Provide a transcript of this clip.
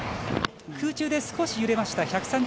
空中で少し揺れました。